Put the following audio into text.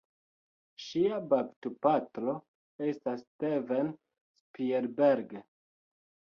Ŝia baptopatro estas Steven Spielberg.